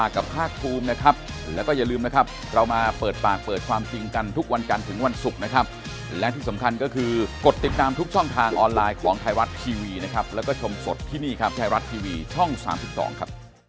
ขอบคุณครับขอบคุณมากครับสวัสดีครับ